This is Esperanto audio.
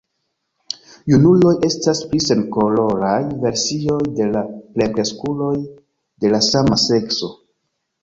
Junuloj estas pli senkoloraj versioj de la plenkreskuloj de la sama sekso.